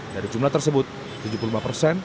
dari jumlah tersebut tujuh puluh lima persen